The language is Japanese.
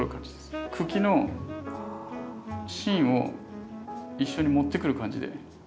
茎の芯を一緒に持ってくる感じで。